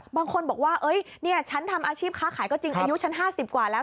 บางคนบอกว่าฉันทำอาชีพค้าขายก็จริงอายุฉัน๕๐กว่าแล้ว